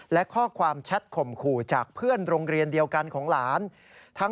และข้อความแชทข่มขู่จากเพื่อนโรงเรียนเดียวกันของหลาน